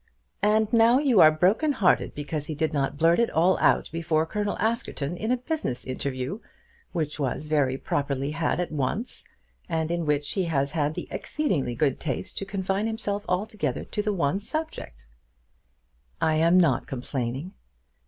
"And now you are broken hearted because he did not blurt it all out before Colonel Askerton in a business interview, which was very properly had at once, and in which he has had the exceeding good taste to confine himself altogether to the one subject." "I am not complaining."